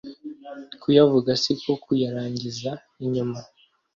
Kuyavuga si ko kuyarangiza inyuma